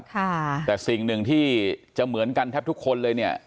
แต่สิ่งหนึ่งที่จะเหมือนกันแทบทุกคนเลยเนี่ย